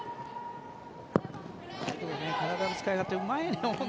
体の使い方がうまいね